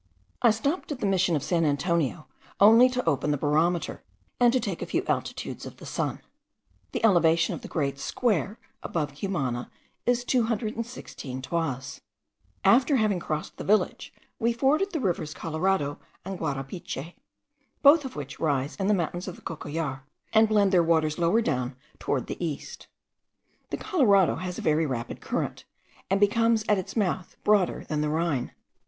I stopped at the Mission of San Antonio only to open the barometer, and to take a few altitudes of the sun. The elevation of the great square above Cumana is 216 toises. After having crossed the village, we forded the rivers Colorado and Guarapiche, both of which rise in the mountains of the Cocollar, and blend their waters lower down towards the east. The Colorado has a very rapid current, and becomes at its mouth broader than the Rhine.